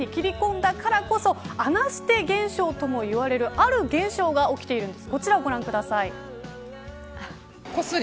今回タブーに切り込んだからこそあなして現象ともいわれるある現象が起きているんです。